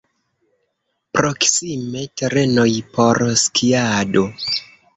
Proksime terenoj por skiado.